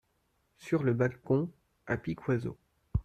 Sur le balcon, à Piquoiseau.